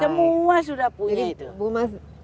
semua sudah punya itu